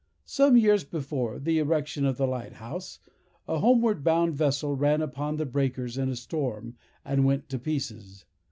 Some years before the erection of the Light house, a homeward bound vessel ran upon the breakers in a storm, and went to pieces.